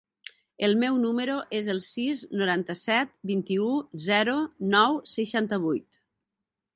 El meu número es el sis, noranta-set, vint-i-u, zero, nou, seixanta-vuit.